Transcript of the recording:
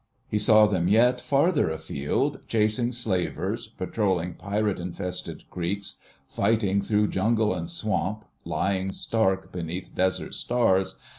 He saw them yet farther afield, chasing slavers, patrolling pirate infested creeks, fighting through jungle and swamp, lying stark beneath desert stars